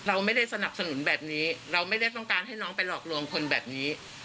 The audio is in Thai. เราไม่ได้สนับสนุนแบบนี้เราไม่ได้ต้องการให้น้องไปหลอกลวงคนแบบนี้